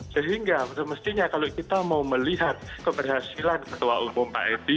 sehingga semestinya kalau kita mau melihat keberhasilan ketua umum pak edi